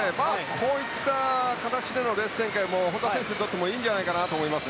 こういった形でのレース展開も本多選手にとってもいいんじゃないかなと思います。